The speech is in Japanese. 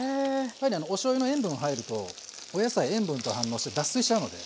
やはりおしょうゆの塩分が入るとお野菜塩分と反応して脱水しちゃうので。